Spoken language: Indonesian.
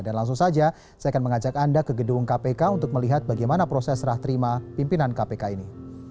dan langsung saja saya akan mengajak anda ke gedung kpk untuk melihat bagaimana proses serah terima pimpinan kpk ini